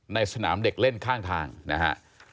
ในสนามเด็กเล่นข้างทางนะฮะ